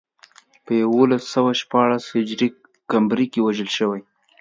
په یولس سوه شپاړس هجري قمري کې وژل شوی.